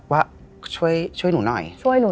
ว่าช่วยหนูหน่อย